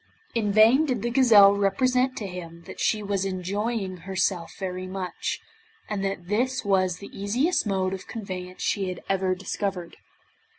In vain did the gazelle represent to him that she was enjoying herself very much, and that this was the easiest mode of conveyance she had ever discovered.